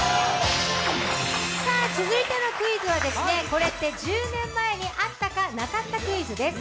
続いてのクイズはこれって１０年前にあったかなかったかクイズです。